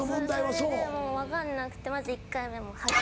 それでもう分かんなくてまず１回目もう破棄。